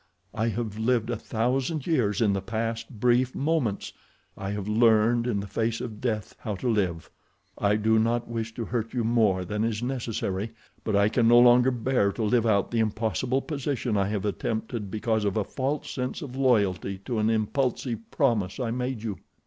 "I have lived a thousand years in the past brief moments. I have learned in the face of death how to live. I do not wish to hurt you more than is necessary; but I can no longer bear to live out the impossible position I have attempted because of a false sense of loyalty to an impulsive promise I made you.